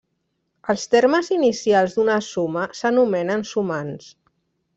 Els termes inicials d'una suma s'anomenen sumands.